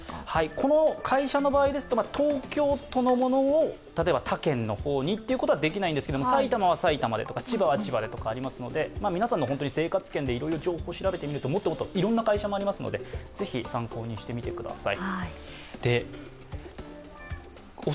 この会社の場合ですと東京都のものを例えば他県にということはできないんですけど埼玉は埼玉でとか、千葉は千葉でとかありますので、皆さんの生活圏でいろいろ情報を調べてみると、もっといろんな会社がありますのでぜひ参考にしてみてください。